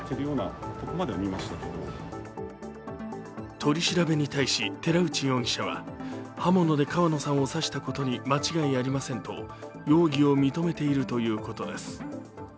取り調べに対し寺内容疑者は、刃物で川野さんを刺したことに間違いありませんと容疑を認めているということです。